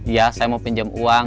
iya saya mau pinjem uang